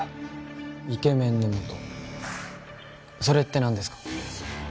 それってなんですか？